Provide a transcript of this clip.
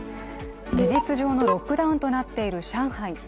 事実上のロックダウンとなっている上海。